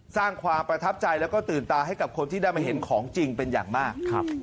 สร้างความประทับใจแล้วก็ตื่นตาให้กับคนที่ได้มาเห็นของจริงเป็นอย่างมาก